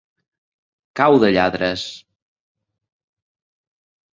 Cau de lladres.